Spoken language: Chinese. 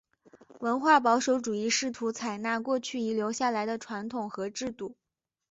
文化保守主义试图采纳过去遗留下来的传统和制度。